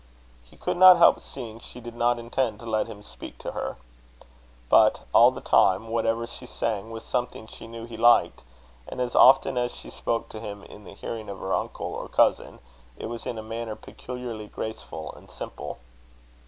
He could not help seeing she did not intend to let him speak to her. But, all the time, whatever she sang was something she knew he liked; and as often as she spoke to him in the hearing of her uncle or cousin, it was in a manner peculiarly graceful and simple.